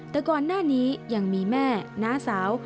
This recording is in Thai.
แต่ก่อนหน้านี้ยังมีแม่น้าสาว